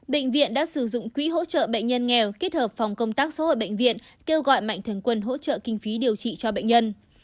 bệnh viện đã sử dụng quỹ hỗ trợ bệnh nhân nghèo kết hợp phòng công tác số hội bệnh viện kêu gọi mạnh thường quân hỗ trợ kinh phí điều trị cho bệnh nhân